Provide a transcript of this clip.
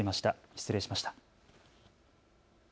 失礼しました。